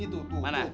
ini pura pura sakit